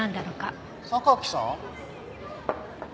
榊さん？